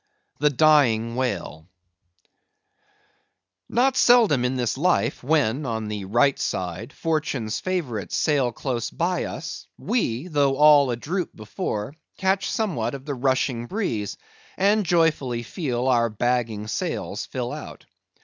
The Dying Whale. Not seldom in this life, when, on the right side, fortune's favourites sail close by us, we, though all adroop before, catch somewhat of the rushing breeze, and joyfully feel our bagging sails fill out.